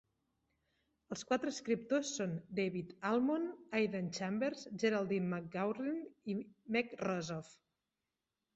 Els quatre escriptors són David Almond, Aidan Chambers, Geraldine McCaughrean i Meg Rosoff.